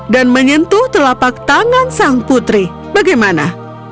dan menyentuh telapak tangan sang putri bagaimana